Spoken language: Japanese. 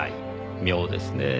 妙ですねぇ。